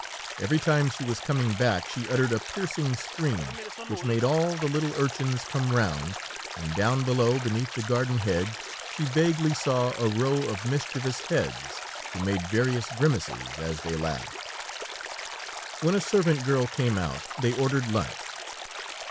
Every time she was coming back she uttered a piercing scream which made all the little urchins come round, and, down below, beneath the garden hedge, she vaguely saw a row of mischievous heads, who made various grimaces as they laughed. When a servant girl came out, they ordered lunch.